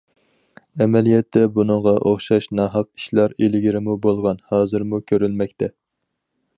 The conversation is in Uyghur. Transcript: ئەمەلىيەتتە بۇنىڭغا ئوخشاش ناھەق ئىشلار ئىلگىرىمۇ بولغان، ھازىرمۇ كۆرۈلمەكتە.